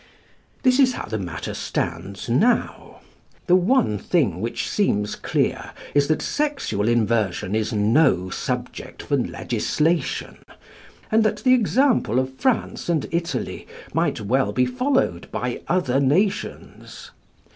This is how the matter stands now. The one thing which seems clear is that sexual inversion is no subject for legislation, and that the example of France and Italy might well be followed by other nations.